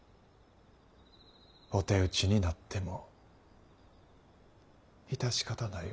お手討ちになっても致し方ないわ。